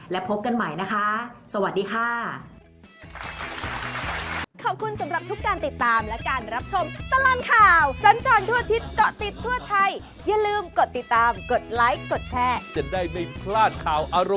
และพบกันใหม่นะคะสวัสดีค่ะ